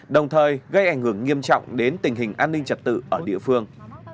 đồng thời gây ảnh hưởng nghiêm trọng đến tình hình an ninh trật tự ở địa phương